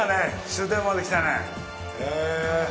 終点まで来たね。